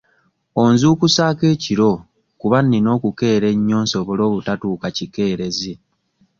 Onzuukusaako ekiro kuba nnina okukeera ennyo nsobole obutatuuka kikeerezi.